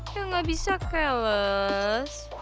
ya gak bisa keles